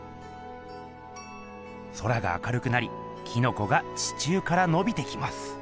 空が明るくなりキノコが地中からのびてきます。